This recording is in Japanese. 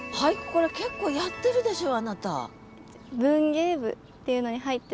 これ結構やってるでしょあなた。